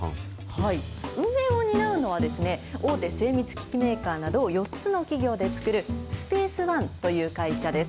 運営を担うのはですね、大手精密機器メーカーなど、４つの企業で作るスペースワンという会社です。